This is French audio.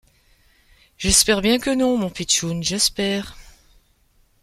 J’espère bien que non, mon pitchoun, j’espère. ..